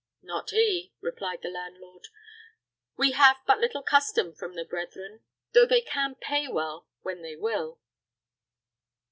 "Not he," replied the landlord; "we have but little custom from the brethren, though they can pay well when they will.